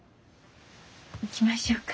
行きましょうか。